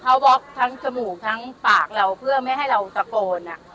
เขาบล็อกทั้งจมูกทั้งปากเราเพื่อไม่ให้เราตะโกน